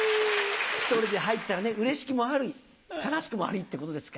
１人で入ったらねうれしくもあり悲しくもありってことですか。